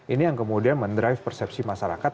ini yang kemudian mendrive persepsi masyarakat